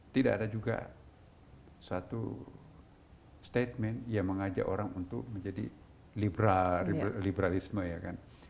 tidak ada juga satu statement yang mengajak orang untuk menjadi liberalisme ya kan